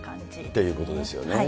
ということですよね。